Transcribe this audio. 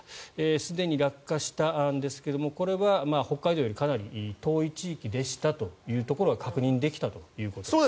すでに落下したんですがこれは北海道よりかなり遠い地域でしたというところが確認できたということですね。